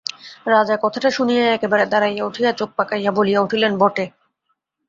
রাজা কথাটা শুনিয়াই একেবারে দাঁড়াইয়া উঠিয়া চোখ পাকাইয়া বলিয়া উঠিলেন, বটে।